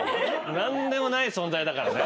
何でもない存在だからね。